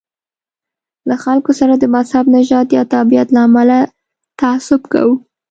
له خلکو سره د مذهب، نژاد یا تابعیت له امله تعصب کوو.